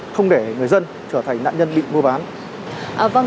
không để người dân trở thành nạn nhân bị mua bán